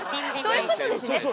そういうことですね。